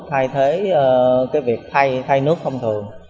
thay thế việc thay nước không thường